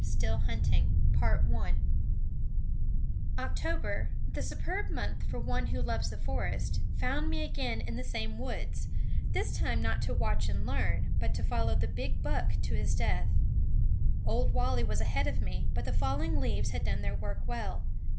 STILL HUNTING October, the superb month for one who loves the forest, found me again in the same woods, this time not to watch and, learn, but to follow the big buck to his death. Old Wally was ahead of me; but the falling leaves had done their work well.